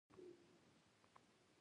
د زړې ښځې خبرې لا نه وې ختمې.